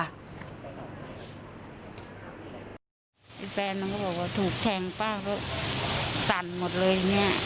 แฟนมันก็บอกว่าถูกแทงบ้างเพราะสั่นหมดเลย